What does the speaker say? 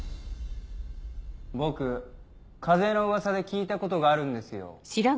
僕風の噂で聞いたことがあるんですよ。